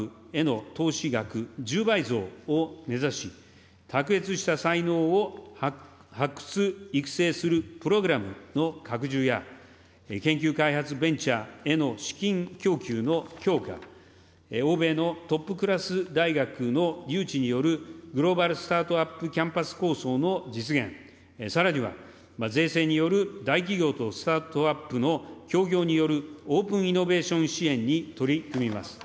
５年でスタートアップへの投資額１０倍増を目指し、卓越した才能を発掘・育成するプログラムの拡充や、研究開発ベンチャーへの資金供給の強化、欧米のトップクラス大学の誘致による、グローバルスタートアップキャンパス構想の実現、さらには税制による大企業とスタートアップの協業によるオープンイノベーション支援に取り組みます。